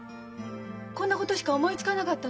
こんなことしか思いつかなかったの。